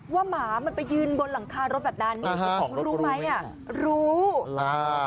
หมามันไปยืนบนหลังคารถแบบนั้นคุณรู้ไหมอ่ะรู้อ่า